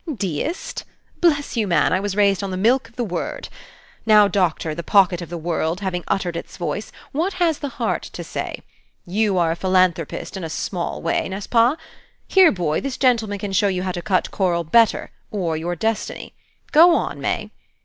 Deist? Bless you, man, I was raised on the milk of the Word. Now, Doctor, the pocket of the world having uttered its voice, what has the heart to say? You are a philanthropist, in a small Way, n'est ce pas? Here, boy, this gentleman can show you how to cut korl better, or your destiny. Go on, May!"